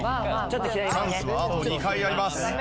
チャンスはあと２回あります。